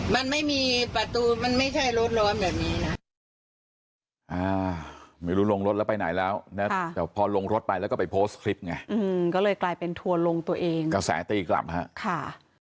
มันไม่มีประตูมันไม่ใช่รถร้อมแบบนี้นะ